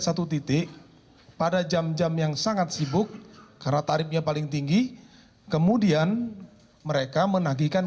satu titik pada jam jam yang sangat sibuk karena tarifnya paling tinggi kemudian mereka menagihkan